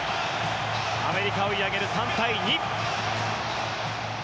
アメリカ追い上げる３対２。